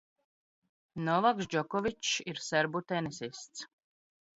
Novaks Džokovičs ir serbu tenisists.